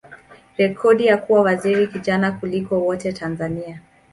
rekodi ya kuwa waziri kijana kuliko wote Tanzania.